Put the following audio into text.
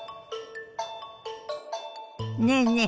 ねえねえ